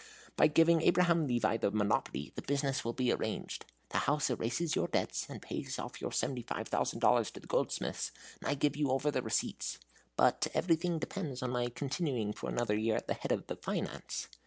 By giving Abraham Levi the monopoly, the business will be arranged. The house erases your debt, and pays off your seventy five thousand dollars to the goldsmiths, and I give you over the receipts. But everything depends on my continuing for another year at the head of the Finance.